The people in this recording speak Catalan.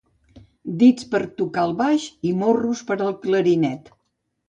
Dits per a tocar el baix i morros per al clarinet.